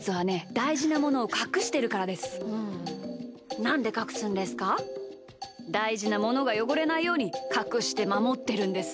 だいじなものをうん、なんでだいじなものがよごれないようにかくしてまもってるんです。